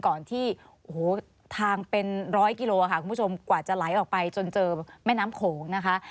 ก่อนที่โอ้โหทางเป็นร้อยกิโลค่ะคุณผู้ชมกว่าจะไหลออกไปจนเจอแม่น้ำโขงนะคะ